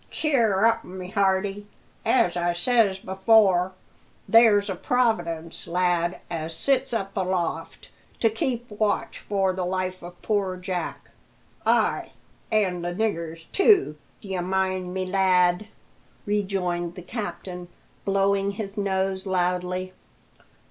"Cheer up, my hearty. As I says afore, there's a Providence, lad, as sits up aloft to keep watch for the life of poor Jack.' Ay, an for the nigger's too, d'ye mind me, lad," rejoined the captain, blowing his nose loudly.